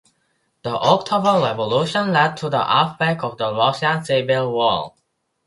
The October Revolution led to the outbreak of the Russian Civil War.